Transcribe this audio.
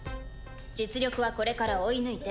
実力はこれから追い抜いて。